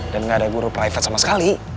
dan gak ada guru private sama sekali